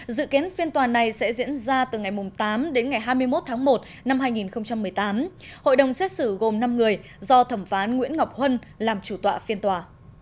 dự kiến phiên tòa này sẽ diễn ra từ ngày tám đến ngày hai mươi một tháng một năm hai nghìn một mươi tám hội đồng xét xử gồm năm người do thẩm phán nguyễn ngọc huân làm chủ tọa phiên tòa